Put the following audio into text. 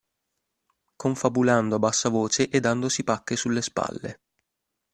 Confabulando a bassa voce e dandosi pacche sulle spalle.